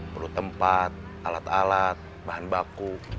perlu tempat alat alat bahan baku